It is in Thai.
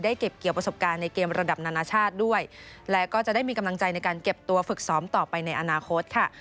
เก็บเกี่ยวประสบการณ์ในเกมระดับนานาชาติด้วยและก็จะได้มีกำลังใจในการเก็บตัวฝึกซ้อมต่อไปในอนาคตค่ะ